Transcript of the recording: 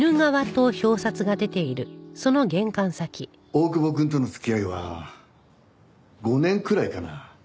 大久保くんとの付き合いは５年くらいかな。